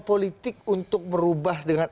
politik untuk merubah dengan